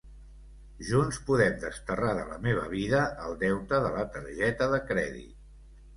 Junts podem desterrar de la meva vida el deute de la targeta de crèdit.